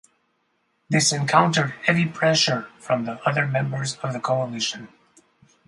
This encountered heavy pressure from the other members of the coalition.